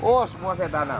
oh semua saya tanam